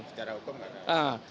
secara hukum nggak ada